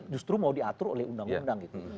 justru mau diatur oleh undang undang gitu